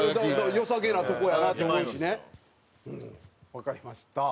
わかりました。